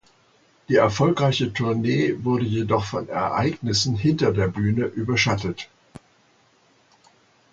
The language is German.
Die erfolgreiche Tournee wurde jedoch von Ereignissen hinter der Bühne überschattet.